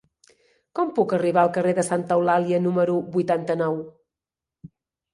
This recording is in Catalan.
Com puc arribar al carrer de Santa Eulàlia número vuitanta-nou?